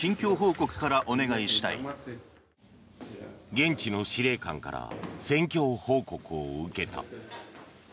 現地の司令官から戦況報告を受けた。